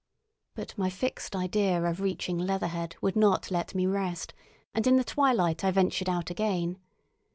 But my fixed idea of reaching Leatherhead would not let me rest, and in the twilight I ventured out again.